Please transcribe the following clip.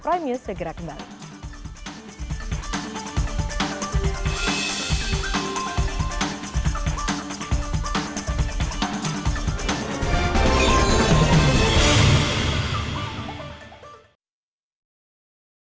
prime news segera kembali